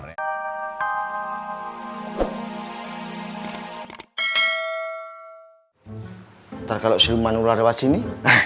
ntar kalau si rumahnya udah lewat sini